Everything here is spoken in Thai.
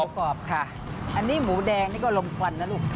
กรอบค่ะอันนี้หมูแดงนี่ก็ลมควันนะลูก